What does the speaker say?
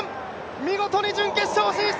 見事に準決勝進出！